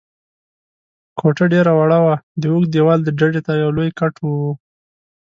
کوټه ډېره وړه وه، د اوږد دېوال ډډې ته یو لوی کټ و.